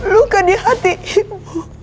luka di hati ibu